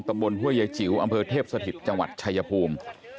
ห้วยยายจิ๋วอำเภอเทพสถิตจังหวัดชายภูมิ